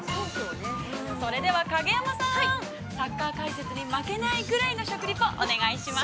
◆それでは、影山さんサッカー解説に負けないくらいの食リポ、お願いします。